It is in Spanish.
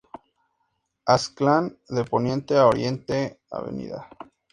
Aztlán de Poniente a Oriente, Av.